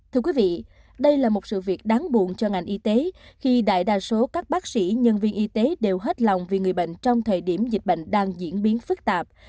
thưa quý vị đây là một sự việc đáng buồn cho ngành y tế khi đại đa số các bác sĩ nhân viên y tế đều hết lòng vì người bệnh trong thời điểm dịch bệnh đang diễn biến phức tạp